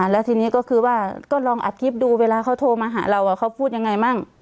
แล้วทีนี้ก็คือว่าก็ลองอัดคลิปดูเวลาเขาโทรมาหาเราเขาพูดยังไงมั่ง